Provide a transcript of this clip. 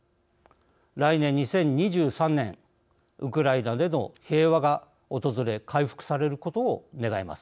来年２０２３年ウクライナでの平和が訪れ回復されることを願います。